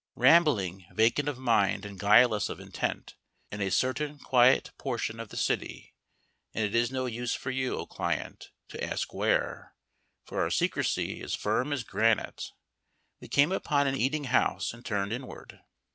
Rambling, vacant of mind and guileless of intent, in a certain quiet portion of the city and it is no use for you, O client, to ask where, for our secrecy is firm as granite we came upon an eating house and turned inward.